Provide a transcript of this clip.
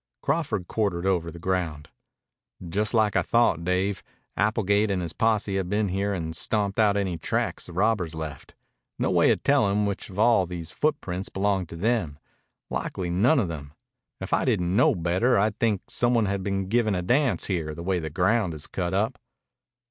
Crawford quartered over the ground. "Just like I thought, Dave. Applegate and his posse have been here and stomped out any tracks the robbers left. No way of tellin' which of all these footprints belonged to them. Likely none of 'em. If I didn't know better I'd think some one had been givin' a dance here, the way the ground is cut up."